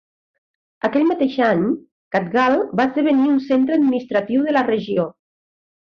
Aquell mateix any, Khatgal va esdevenir un centre administratiu de la regió.